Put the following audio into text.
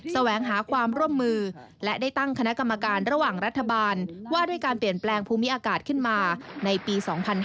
แสวงหาความร่วมมือและได้ตั้งคณะกรรมการระหว่างรัฐบาลว่าด้วยการเปลี่ยนแปลงภูมิอากาศขึ้นมาในปี๒๕๕๙